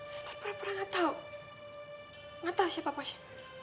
suster pura pura gak tau gak tau siapa posnya